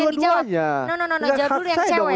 itu dulu dong cewek dulu yang dijawab